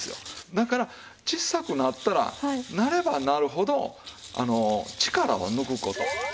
だから小さくなったらなればなるほど力を抜く事。